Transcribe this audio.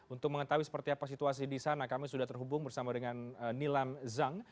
untuk mengetahui seperti apa situasi di sana kami sudah terhubung bersama dengan nilam zhang